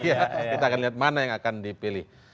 iya kita akan lihat mana yang akan dipilih